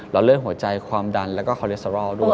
แล้วเรื่องหัวใจความดันแล้วก็คอเลสเตอรอลด้วย